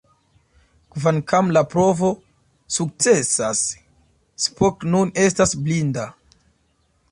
Kvankam la provo sukcesas, Spock nun estas blinda.